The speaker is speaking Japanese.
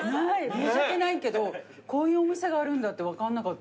申し訳ないけどこういうお店があるんだって分かんなかった。